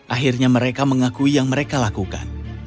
akhirnya mereka mengakui yang mereka lakukan